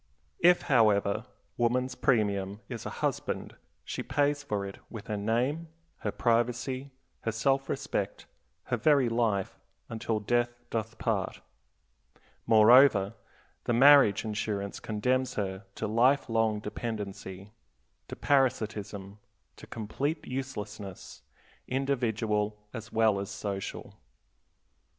If, however, woman's premium is a husband, she pays for it with her name, her privacy, her self respect, her very life, "until death doth part." Moreover, the marriage insurance condemns her to life long dependency, to parasitism, to complete uselessness, individual as well as social.